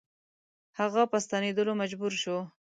هغه په ستنېدلو مجبور شو.